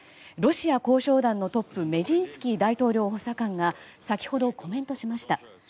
ロシア交渉団のトップメジンスキー大統領補佐官が先ほど、コメントしました。